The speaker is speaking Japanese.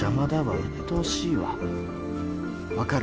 うっとうしいわ分かる？